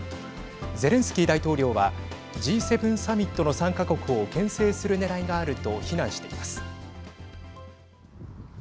ゼレンスキー大統領はＧ７サミットの参加国をけん制するねらいがあると非難しています。